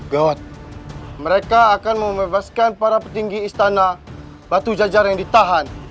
gawat mereka akan membebaskan para petinggi istana batu jajar yang ditahan